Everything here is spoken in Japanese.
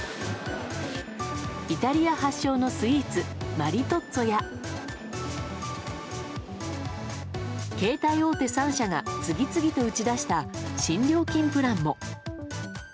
イタリア発祥のスイーツマリトッツォや携帯大手３社が次々と打ち出した新料金プランも。